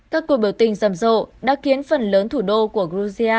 các cuộc biểu tình rầm rộ đã khiến phần lớn thủ đô của georgia